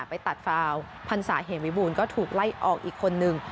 ไปตัดฟาวพันศาเหมวิบูรณ์ก็ถูกไล่ออกอีกคนนึง